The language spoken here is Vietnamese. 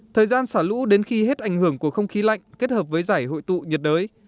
thời gian xả lũ đến khi hết ảnh hưởng của không khí lạnh kết hợp với giải hội tụ nhiệt đới